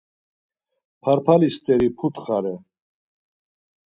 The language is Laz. Parpali steri putxare.